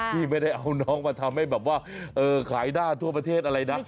พี่ไม่ได้เอาน้องมาทำให้แบบว่าขายได้ทั่วประเทศอะไรนะ